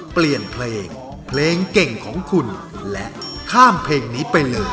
เปลี่ยนเพลงเพลงเก่งของคุณและข้ามเพลงนี้ไปเลย